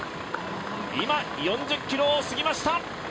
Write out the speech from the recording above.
今４０ｋｍを過ぎました。